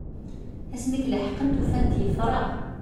Asmi i t-leḥqent ufant yeffreɣ.